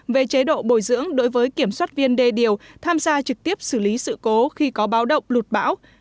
về chế độ bồi dưỡng đối với kiểm soát viên đê điều tham gia trực tiếp xử lý sự cố khi có báo động lụt bão